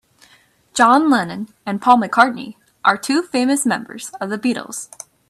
John Lennon and Paul McCartney are two famous members of the Beatles.